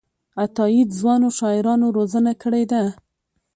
عطاييد ځوانو شاعرانو روزنه کړې ده.